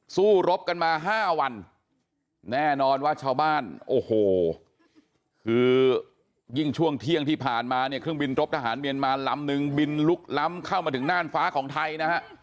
สู้รบกันมา๕วันแน่นอนว่าชาวบ้านโอ้โหคือยิ่งช่วงเที่ยงที่ผ่านมาเนี่ยเครื่องบินรบทหารเมียนมาลำนึงบินลุกล้ำเข้ามาถึงน่านฟ้าของไทยนะฮะ